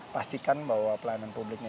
pastikan bahwa pelayanan publiknya